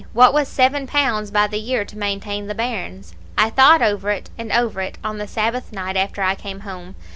what was seven pounds by the year to maintain the bairns? I thought over it and over it on the Sabbath night after I came home.